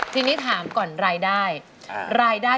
ทีนี้ถามก่อนรายได้